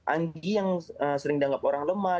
anji yang sering dianggap orang lemah